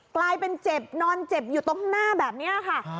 กลายเป็นเจ็บนอนเจ็บอยู่ตรงข้างหน้าแบบนี้ค่ะ